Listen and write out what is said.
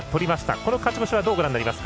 この勝ち星はどうご覧になりますか。